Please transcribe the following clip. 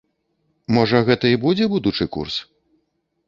Можа гэта і будзе будучы курс?